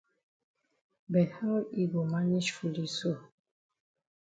But how yi go manage foolish so?